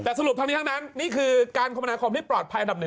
แต่สรุปทั้งนี้ทั้งนั้นนี่คือการคมนาคมที่ปลอดภัยอันดับ๑